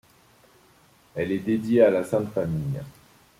Elle est dédiée à la Sainte Famille.